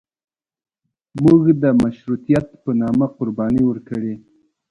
موږ د مشروطیت په نامه قرباني ورکړې.